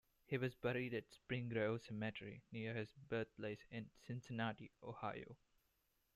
He was buried at Spring Grove Cemetery near his birthplace in Cincinnati, Ohio.